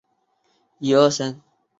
子夏完淳亦为抗清烈士。